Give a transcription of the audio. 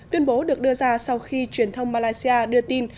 tuyên bố được đưa ra sau khi truyền thông malaysia đưa tin